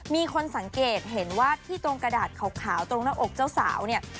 มีคนสังเกตเห็นว่าที่ตรงกระดาษขาวตรงหน้าอกเจ้าสาวเนี่ย